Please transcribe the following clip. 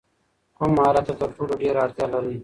کوم مهارت ته تر ټولو ډېره اړتیا لرې؟